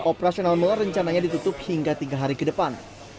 operasional mall rencananya ditutup hingga tiga hari ke depan